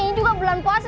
ini juga bulan puasa